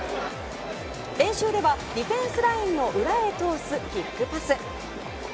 練習ではディフェンスラインの裏へ通すキックパス。